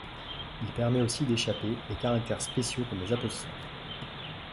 Il permet aussi d'échapper les caractères spéciaux comme les apostrophes.